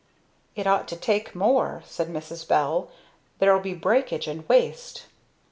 "It ought to take more," said Mrs. Bell, "there'll be breakage and waste."